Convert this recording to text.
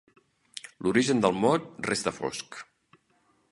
L'origen del mot resta fosc.